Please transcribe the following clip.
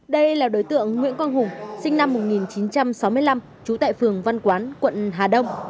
đây là đối tượng nguyễn quang hùng sinh năm một nghìn chín trăm sáu mươi năm trú tại phường văn quán quận hà đông